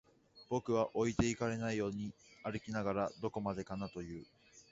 僕は置いてかれないように歩きながら、どこまでかなと言う